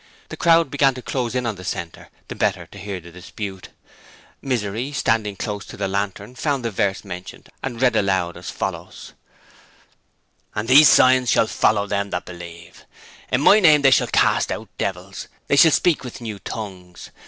The crowd began to close in on the centre, the better to hear the dispute. Misery, standing close to the lantern, found the verse mentioned and read aloud as follows: 'And these signs shall follow them that believe. In my name shall they cast out devils: they shall speak with new tongues.